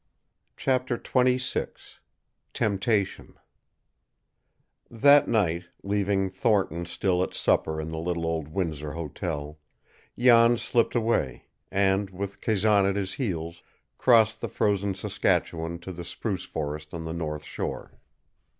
CHAPTER XXVI TEMPTATION That night, leaving Thornton still at supper in the little old Windsor Hotel, Jan slipped away, and with Kazan at his heels, crossed the frozen Saskatchewan to the spruce forest on the north shore.